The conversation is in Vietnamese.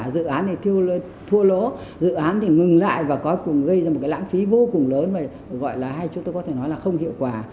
dự án này thua lỗ dự án thì ngừng lại và cũng gây ra một cái lãng phí vô cùng lớn mà gọi là hay chúng tôi có thể nói là không hiệu quả